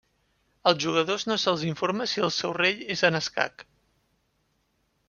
Als jugadors no se'ls informa si el seu rei és en escac.